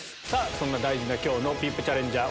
そんな大事な今日のＶＩＰチャレンジャー